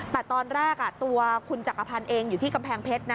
แต่ตอนแรกคุณจักรพรรณเองอยู่ที่กำแพงเพชร